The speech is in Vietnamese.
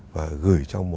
và gửi cho bộ ngoại giao